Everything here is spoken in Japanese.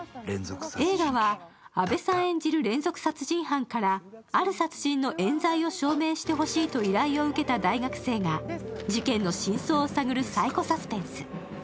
映画は、阿部さん演じる連続殺人犯からある殺人のえん罪を証明してほしいと依頼を受けた大学生が事件の真相を探るサイコサスペンス。